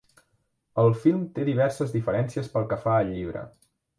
El film té diverses diferències pel que fa al llibre.